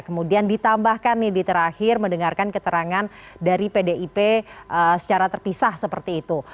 kemudian ditambahkan nih di terakhir mendengarkan keterangan dari pdip secara terpisah seperti itu